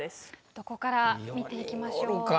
どこから見ていきましょうか？